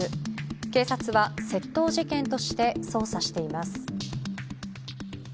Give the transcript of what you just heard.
警察は窃盗事件として捜査しています。